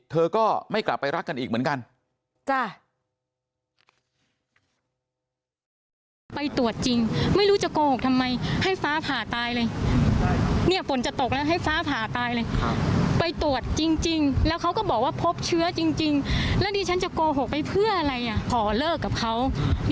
เธอก็ไม่กลับไปรักกันอีกเหมือนกัน